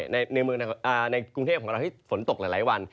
ในกรุงเทพของเราที่ฝนตกหลายวัน